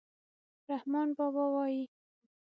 رحمان بابا وايي.